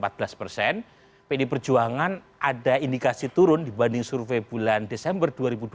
jadi perjuangan ada indikasi turun dibanding survei bulan desember dua ribu dua puluh dua